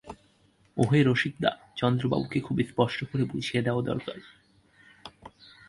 ওহে রসিকদা, চন্দ্রবাবুকে খুব স্পষ্ট করে বুঝিয়ে দেওয়া দরকার।